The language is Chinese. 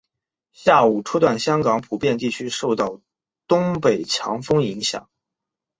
下午初段香港普遍地区受到东北强风影响。